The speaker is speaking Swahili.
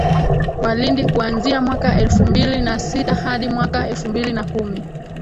wa Lindi kuanzia mwaka elfu mbili na sita hadi mwaka elfu mbili na kumi